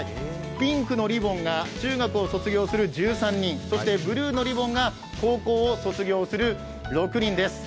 ピンクのリボンが中学を卒業する１３人、そしてブルーのリボンが高校を卒業する６人です。